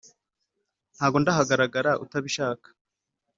ntago ndahagarara utabishaka